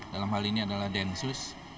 dalam hal ini adalah densus